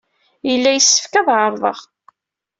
Yella yessefk ad ɛerḍeɣ.